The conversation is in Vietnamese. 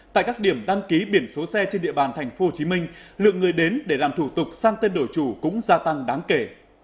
tại các điểm đăng ký biển số xe trên địa bàn tp hcm lượng người đến để làm thủ tục sang tên đổi chủ cũng gia tăng đáng kể